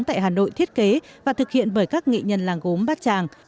tại hà nội thiết kế và thực hiện bởi các nghệ nhân làng gốm bát tràng